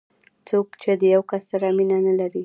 څوک چې د یو کس سره مینه نه لري.